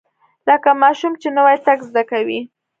لکه ماشوم چې نوى تګ زده کوي.